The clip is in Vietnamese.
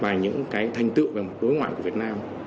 và những cái thành tựu về mặt đối ngoại của việt nam